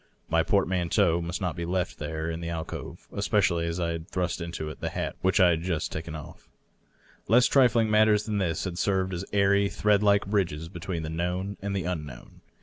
My portmanteau must not be left there in the alcove, especially as I had thrust into it the hat which I 608 DOUGLAS DUANK had just taken off. Less trifling matters than this had served as airy thread like bridges between the known and the unknown.